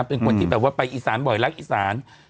เป็นคนที่ไปอิสานบ่อยลักอิสาน